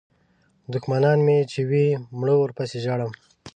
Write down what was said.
دوښمنان مې چې وي مړه ورپسې ژاړم.